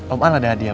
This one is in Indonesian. om al ada hadiah